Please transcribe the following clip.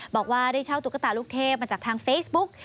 บอกว่าได้เช่าตุ๊กตาลูกเทพมาจากทางเฟซบุ๊ก